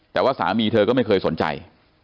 แต่ว่าสามีเธอก็ไม่เคยสนใจ